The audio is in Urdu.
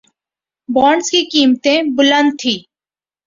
بانڈز کی قیمتیں بلند تھیں